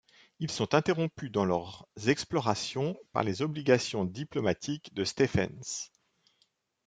Ils sont interrompus dans leurs explorations par les obligations diplomatiques de Stephens.